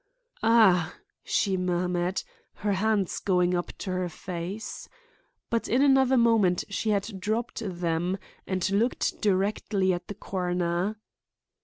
"Ah!" she murmured, her hands going up to her face. But in another moment she had dropped them and looked directly at the coroner.